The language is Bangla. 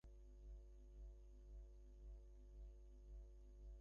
আমার অবস্থা জানতে পেরে মিস্টার ভাদুড়ি আমাদের সম্বন্ধ ভেঙে দিলেন।